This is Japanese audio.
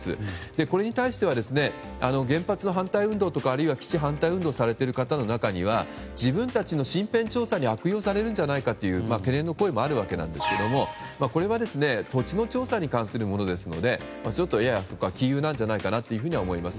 これに対しては原発の反対運動とかあるいは基地反対運動をされている方の中には自分たちの身辺調査に悪用されるんじゃないかという懸念の声もあるんですがこれは土地の調査に関するものですのでちょっとやや杞憂じゃないかなと思います。